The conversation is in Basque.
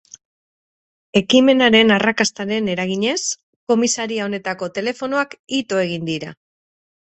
Ekimenaren arrakastaren eraginez, komisaria honetako telefonoak ito egin dira.